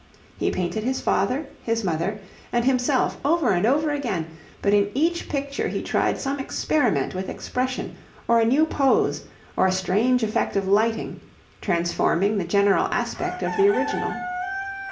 He painted his father, his mother, and himself over and over again, but in each picture he tried some experiment with expression, or a new pose, or a strange effect of lighting, transforming the general aspect of the original.